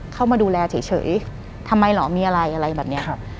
เข้ามาดูแลเฉยทำไมเหรอมีอะไรอะไรแบบนี้ครับ